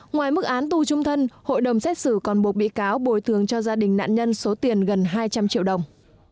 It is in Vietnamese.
ngoài mức án tù trung thân hội đồng xét xử còn buộc bị cáo bồi thường cho gia đình nạn nhân số tiền gần hai trăm linh triệu đồng